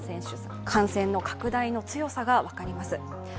感染の拡大の強さが分かります。